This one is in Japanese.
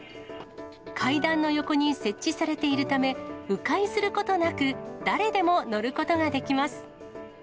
階段の横に設置されているため、う回することなく、誰でも乗ることができます。